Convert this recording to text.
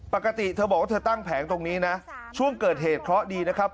ปกติเธอบอกว่าเธอตั้งแผงตรงนี้นะช่วงเกิดเหตุเคราะห์ดีนะครับ